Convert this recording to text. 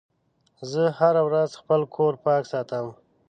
زه هره ورځ خپل کور پاک ساتم.